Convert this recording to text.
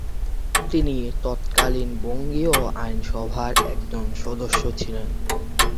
তিনি তৎকালীন বঙ্গীয় আইনসভার একজন সদস্য ছিলেন।